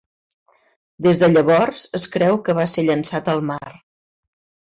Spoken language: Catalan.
Des de llavors es creu que va ser llançat al mar.